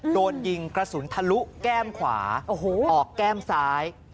โดนยิงกระสุนทะลุแก้มขวาออกแก้มซ้าย